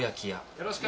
よろしく！